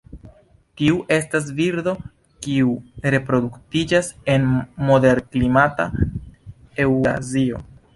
Tiu estas birdo kiu reproduktiĝas en moderklimata Eŭrazio.